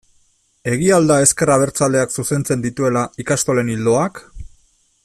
Egia al da ezker abertzaleak zuzentzen dituela ikastolen ildoak?